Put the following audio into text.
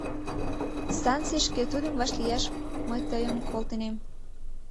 Станцийышке тудым вашлияш мый тыйым колтынем.